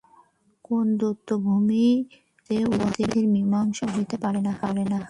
কোন দ্বৈতভূমি হইতে উহাদের মীমাংসা হইতে পারে না।